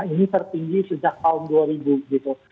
ini tertinggi sejak tahun dua ribu gitu